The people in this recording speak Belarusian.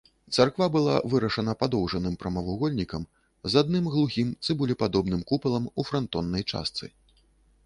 Царква была вырашана падоўжаным прамавугольнікам з адным глухім цыбулепадобным купалам у франтоннай частцы.